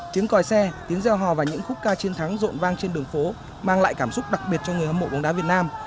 tiếng còi xe tiếng gieo hò và những khúc ca chiến thắng rộn vang trên đường phố mang lại cảm xúc đặc biệt cho người hâm mộ bóng đá việt nam